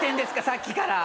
さっきから。